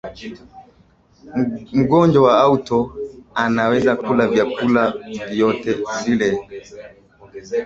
mgonjwa wa auto anaweza kula vyakula vyovyote vile